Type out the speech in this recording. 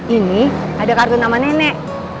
ini ada kartu nama nenek